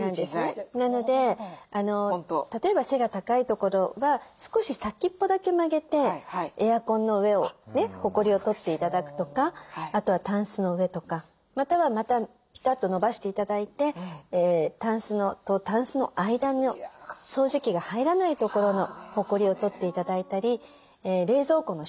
なので例えば背が高いところは少し先っぽだけ曲げてエアコンの上をねほこりを取って頂くとかあとはタンスの上とかまたはピタッと伸ばして頂いてタンスとタンスの間の掃除機が入らないところのほこりを取って頂いたり冷蔵庫の下とかですね。